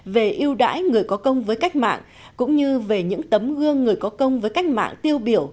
về yêu đãi người có công với cách mạng cũng như về những tấm gương người có công với cách mạng tiêu biểu